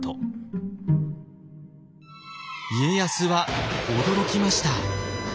家康は驚きました。